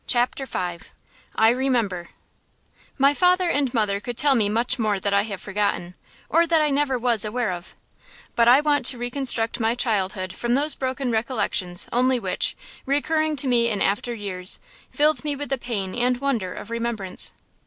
CHAPTER V I REMEMBER My father and mother could tell me much more that I have forgotten, or that I never was aware of; but I want to reconstruct my childhood from those broken recollections only which, recurring to me in after years, filled me with the pain and wonder of remembrance.